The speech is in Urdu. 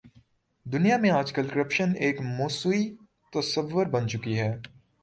دنیا میں آج کل کرپشن ایک موضوعی تصور بن چکی ہے۔